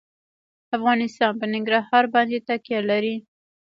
افغانستان په ننګرهار باندې تکیه لري.